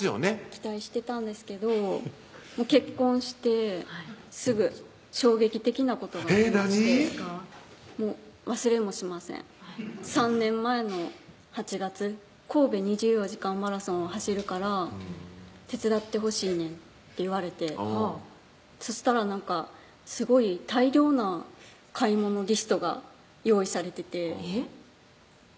期待してたんですけど結婚してすぐ衝撃的なことがありまして忘れもしません３年前の８月「神戸２４時間マラソンを走るから手伝ってほしいねん」って言われてそしたらなんかすごい大量な買い物リストが用意されててえっ？